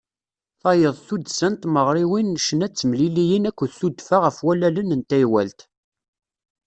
Tayeḍ, tuddsa n tmeɣriwin n ccna d temliliyin akked tudfa ɣer wallalen n taywalt.